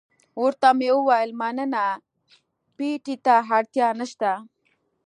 ورته ومې ویل مننه، پېټي ته اړتیا نشته.